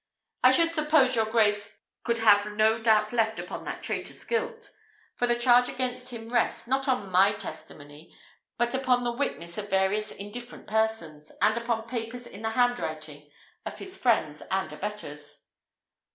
"I should suppose your grace could have no doubt left upon that traitor's guilt; for the charge against him rests, not on my testimony, but upon the witness of various indifferent persons, and upon papers in the handwriting of his friends and abettors."